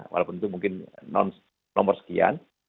walaupun itu mungkin nomor sekian